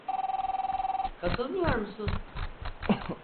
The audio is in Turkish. Katılmıyor musun?